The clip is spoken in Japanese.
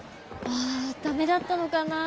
あ駄目だったのかなあ。